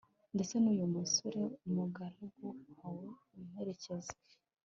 ndetse n'uyu musore, umugaragu wawe, umperekeje